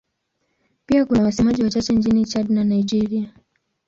Pia kuna wasemaji wachache nchini Chad na Nigeria.